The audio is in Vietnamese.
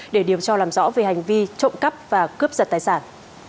để điều tra làm rõ về hành vi trộm cắp và cướp giật tài sản